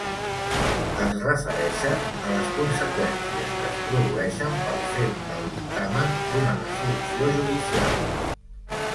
Es refereixen a les conseqüències que es produeixen pel fet del dictamen d'una resolució judicial.